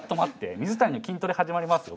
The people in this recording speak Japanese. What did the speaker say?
水谷筋トレ始まりますよ